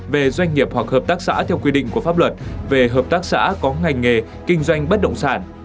về doanh nghiệp hoặc hợp tác xã theo quy định của pháp luật về hợp tác xã có ngành nghề kinh doanh bất động sản